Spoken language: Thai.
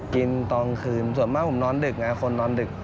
กินตอนคืนส่วนมากผมนอนดึกคนนอนดึก